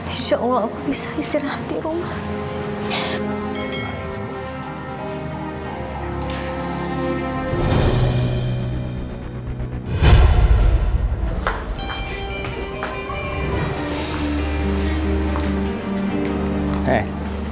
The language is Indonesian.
insya allah aku bisa istirahat di rumah